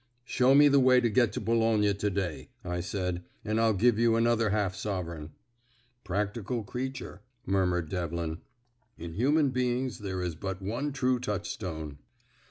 "Show me the way to get to Boulogne to day," I said, "and I'll give you another half sovereign." "Practical creature!" murmured Devlin. "In human dealings there is but one true touchstone."